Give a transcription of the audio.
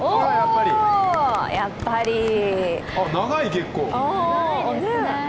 長い、結構。